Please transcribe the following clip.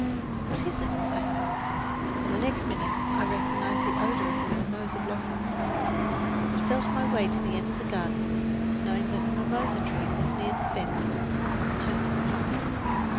"What is it?" I asked, and the next minute I recognized the odour of the mimosa blossoms. I felt my way to the end of the garden, knowing that the mimosa tree was near the fence, at the turn of the path.